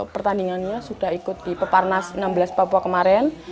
pertandingannya sudah ikut di peparnas enam belas papua kemarin